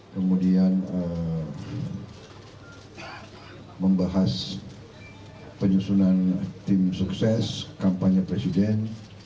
kemudian membahas penyusunan tim sukses kampanye presiden